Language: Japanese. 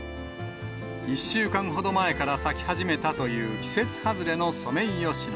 １週間ほど前から咲き始めたという季節外れのソメイヨシノ。